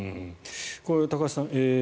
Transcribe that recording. これ、高橋さん